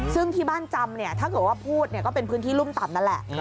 ซึ่งที่บ้านจำเนี่ยถ้าเกิดว่าพูดก็เป็นพื้นที่รุ่มต่ำนั่นแหละ